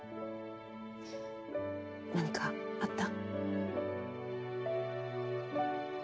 何かあった？